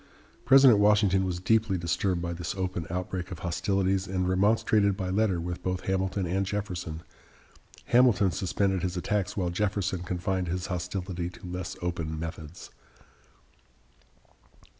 President Washington was deeply disturbed by this open outbreak of hostilities, and remonstrated by letter with both Hamilton and Jefferson. Hamilton suspended his attacks, while Jefferson confined his hostility to less open methods.